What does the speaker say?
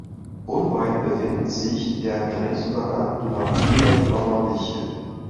Unweit befindet sich der Grenzübergang Durankulak-Vama Veche.